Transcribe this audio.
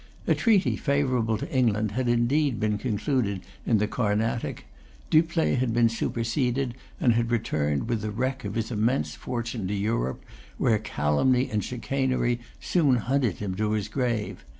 A treaty favourable to England had indeed been concluded in the Carnatic. Dupleix had been superseded, and had returned with the wreck of his immense fortune to Europe, where calumny and chicanery soon hunted him to his grave.